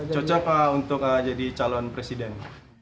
cocok pak untuk jadi calon presiden